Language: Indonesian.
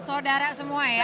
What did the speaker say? saudara semua ya